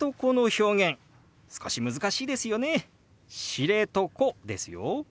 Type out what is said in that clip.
「知床」ですよ。